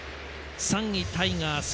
３位、タイガース